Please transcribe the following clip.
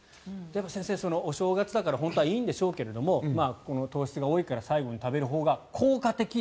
先生、お正月だから本当はいいんでしょうけど糖質が多いから最後に食べるほうが効果的。